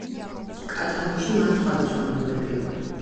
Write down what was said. კატალოგში მათ სხვადასხვა ნომრები აქვთ.